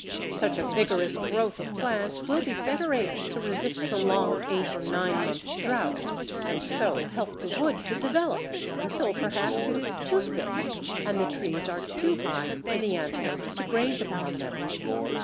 Such a vigorous growth of plants will be better able to resist the long eight or nine months' drought, and so help the wood to develop, until perhaps it is too thick, and the trees are too high, for the antelopes to graze upon them.